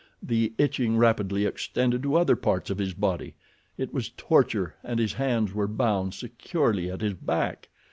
The itching rapidly extended to other parts of his body—it was torture, and his hands were bound securely at his back!